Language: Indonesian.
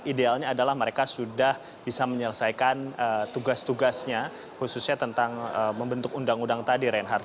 idealnya adalah mereka sudah bisa menyelesaikan tugas tugasnya khususnya tentang membentuk undang undang tadi reinhardt